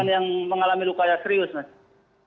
untuk korban yang mengalami lukanya serius